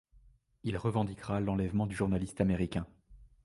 Il revendiquera l’enlèvement du journaliste américain.